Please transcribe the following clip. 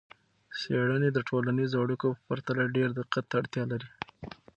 څیړنې د ټولنیزو اړیکو په پرتله ډیر دقت ته اړتیا لري.